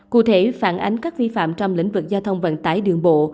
cụ thể phản ánh các vi phạm trong lĩnh vực giao thông vận tải đường bộ